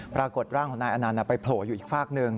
ปรากฏร่างของนายอนันต์ไปโผล่อยู่อีกฝากหนึ่ง